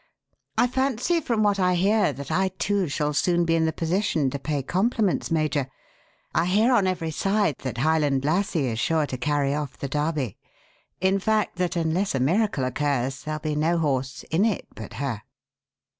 I fancy from what I hear that I, too, shall soon be in the position to pay compliments, Major. I hear on every side that Highland Lassie is sure to carry off the Derby in fact that, unless a miracle occurs, there'll be no horse 'in it' but her."